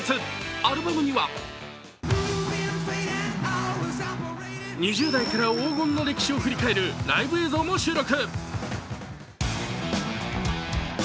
アルバムには２０代から黄金の歴史を振り返るライブ映像も収録。